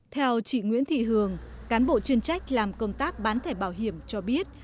theo chị nguyễn thị hường cán bộ chuyên trách làm công tác bán thẻ bảo hiểm cho biết